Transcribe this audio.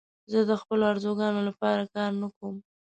زه د خپلو آرزوګانو لپاره کار نه کوم.